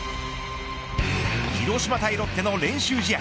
広島対ロッテの練習試合。